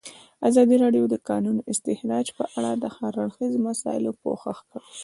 ازادي راډیو د د کانونو استخراج په اړه د هر اړخیزو مسایلو پوښښ کړی.